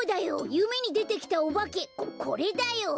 ゆめにでてきたおばけここれだよ！